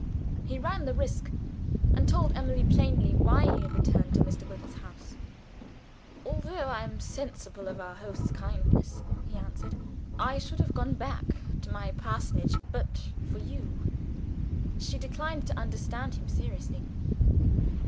He ran the risk, and told Emily plainly why he had returned to Mr. Wyvil's house. "Although I am sensible of our host's kindness," he answered, "I should have gone back to my parsonage but for You." She declined to understand him seriously.